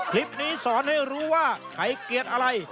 คลิปนี้สอนให้รู้ว่าไขเกลียดอะไร